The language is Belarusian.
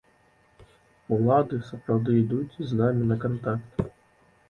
Улады сапраўды ідуць з намі на кантакт.